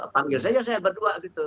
panggil saya ya saya berdua gitu